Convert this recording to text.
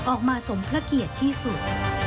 ออกมาสมพระเกียรติที่สุด